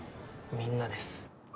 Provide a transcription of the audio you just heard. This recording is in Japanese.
みんなです